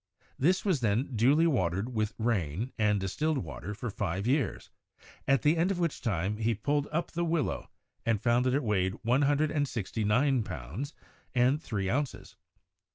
This was then duly watered with rain and distilled water for five years, at the end of which time he pulled up the willow and found that it weighed one hundred and sixty nine pounds and three ounces.